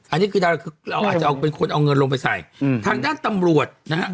อันนี้คือเราอาจจะเป็นคนเอาเงินลงไปใส่ทางด้านตำรวจนะครับ